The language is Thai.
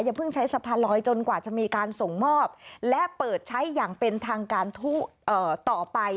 เพิ่งใช้สะพานลอยจนกว่าจะมีการส่งมอบและเปิดใช้อย่างเป็นทางการต่อไป